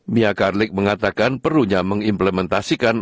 mia karlik mengatakan perlunya mengimplementasikan